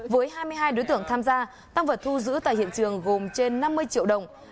với hai mươi hai đối tượng tham gia tăng vật thu giữ tại hiện trường gồm trên năm mươi triệu đồng